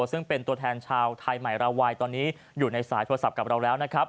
ซึ่งเป็นตัวแทนชาวไทยใหม่ราวัยตอนนี้อยู่ในสายโทรศัพท์กับเราแล้วนะครับ